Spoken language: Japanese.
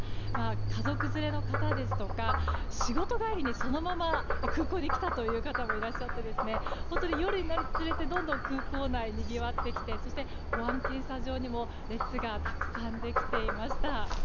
家族連れの方ですとか仕事帰りにそのまま空港に来たという方もいらっしゃって本当に夜になるにつれてどんどん空港内はにぎわってきてそして保安検査場にも列がたくさんできていました。